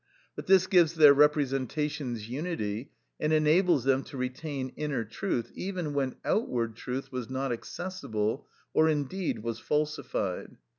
But this gives their representations unity, and enables them to retain inner truth, even when outward truth was not accessible, or indeed was falsified.